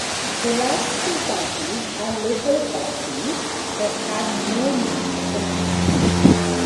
The last two parties are local parties that have no national connection.